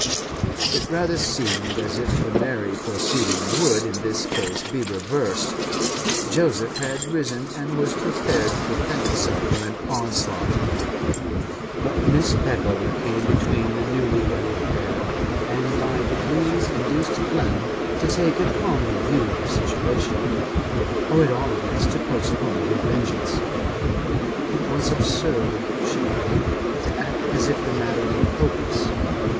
It rather seemed as if the merry proceeding would in this case be reversed; Joseph had risen, and was prepared to defend himself from an onslaught. But Mrs. Peckover came between the newly wedded pair, and by degrees induced Clem to take a calmer view of the situation, or at all events to postpone her vengeance. It was absurd, she argued, to act as if the matter were hopeless.